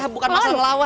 bukan masalah lawan